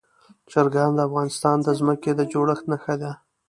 چرګان د افغانستان د ځمکې د جوړښت نښه ده.